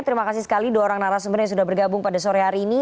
terima kasih sekali dua orang narasumber yang sudah bergabung pada sore hari ini